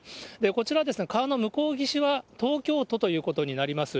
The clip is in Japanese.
こちら、川の向こう岸は、東京都ということになります。